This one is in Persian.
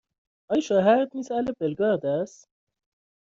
آیا شوهرت نیز اهل بلگراد است؟